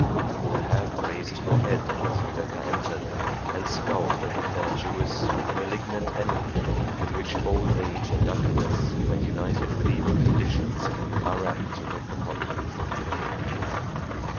The hag raised her head as Rebecca entered, and scowled at the fair Jewess with the malignant envy with which old age and ugliness, when united with evil conditions, are apt to look upon youth and beauty.